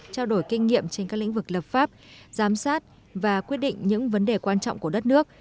trao đổi kinh nghiệm trên các lĩnh vực lập pháp giám sát và quyết định những vấn đề quan trọng của đất nước